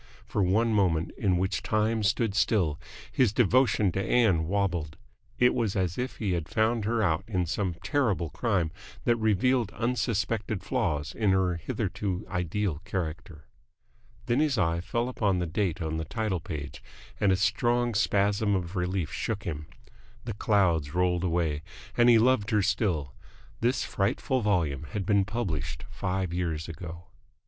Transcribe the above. For one moment, in which time stood still, his devotion to Ann wobbled. It was as if he had found her out in some terrible crime that revealed unsuspected flaws in her hitherto ideal character. Then his eye fell upon the date on the title page, and a strong spasm of relief shook him. The clouds rolled away, and he loved her still. This frightful volume had been published five years ago.